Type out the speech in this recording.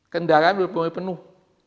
kendaraan belum mulai penuh